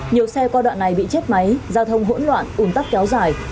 nhiều xe qua đoạn này bị chết máy giao thông hỗn loạn ủn tắc kéo dài